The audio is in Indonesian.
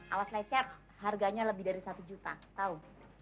awas lecet harganya lebih dari satu juta tahu